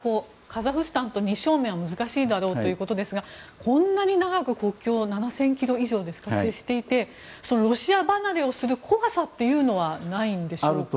ただ、先ほど中野さんがカザフスタンと２正面は難しいだろうということですがこんなに長く国境７０００ｋｍ以上ですか接していてロシア離れをする怖さというのはないんでしょうか。